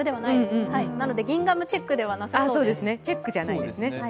なのでギンガムチェックではなさそうです。